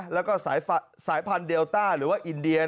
แล้วก็สายพันธุเดลต้าหรือว่าอินเดีย